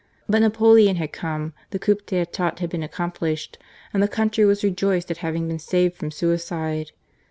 But Napoleon had come, the Coup d'etat had been accomplished, and the country was rejoiced at having been saved from suicide.